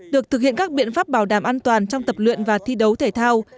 được thực hiện các biện pháp bảo đảm an toàn trong tập luyện và thi đấu thể thao